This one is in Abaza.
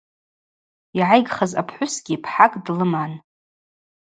Йгӏайгхыз апхӏвысгьи пхӏакӏ длыман.